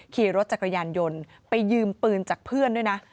ขี่รถจักรยานยนต์ไปยืมปืนจากเพื่อนด้วยนะ